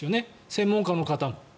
専門家の方も。